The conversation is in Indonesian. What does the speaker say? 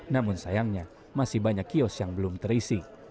namun sayangnya masih banyak kios yang belum terisi